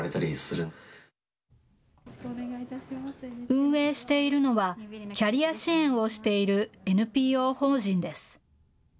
運営しているのはキャリア支援をしているＮＰＯ法人です。